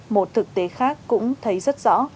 một thực tế khác cũng thấy rất rõ